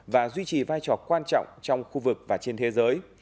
và duy trì vai trò quan trọng trong khu vực và trên thế giới